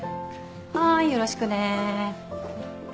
はーいよろしくね。